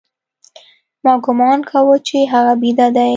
ما گومان کاوه چې هغه بيده دى.